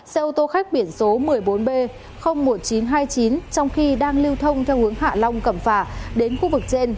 xe ô tô khách biển số một mươi bốn b một nghìn chín trăm hai mươi chín trong khi đang lưu thông theo hướng hạ long cẩm phả đến khu vực trên